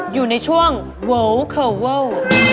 อยู่ในช่วงโวลเคอร์เวิล